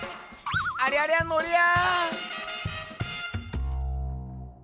ありゃりゃのりゃ。